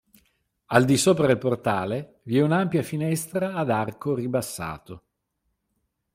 Al di sopra del portale vi è un'ampia finestra ad arco ribassato.